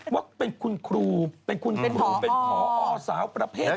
ว่าเป็นคุณครูเป็นคุณครูเป็นผอสาวประเภท๒